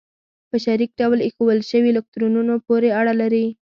په شریک ډول ایښودل شوو الکترونونو پورې اړه لري.